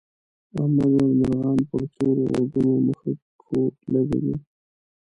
احمد وویل مرغان پر تور غوږو مښوکې لکوي.